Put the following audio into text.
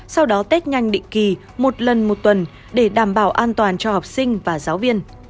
sau đó test nhanh định kỳ một lần một tuần để đảm bảo an toàn cho học sinh và giáo viên